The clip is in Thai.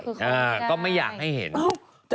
แค่เขาไม่ได้ก็ไม่อยากให้เห็นเห้าะ